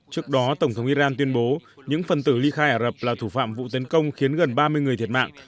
trước đó tổng thống iran tuyên bố những phần tử ly khai ả rập là thủ phạm vụ tấn công khiến gần ba mươi người thiệt mạng